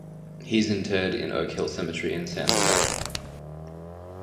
He is interred in Oak Hill Cemetery in San Jose.